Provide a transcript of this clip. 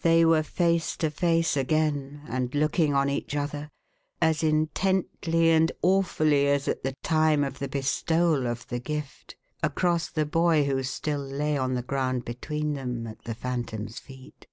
Thev were face to face again, and looking on each other, as intently and awfully as at the time of the bestowal of the gift, across the bov who still lay on the ground between them, at the Phantom's feet.